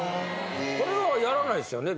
これはやらないですよね